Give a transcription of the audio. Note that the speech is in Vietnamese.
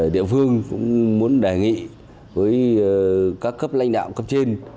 địa phương cũng muốn đề nghị với các cấp lãnh đạo cấp trên